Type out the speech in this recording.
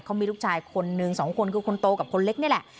เขามีลูกชายคนนึงสองคนคือคนโตกับคนเล็กนี่แหละ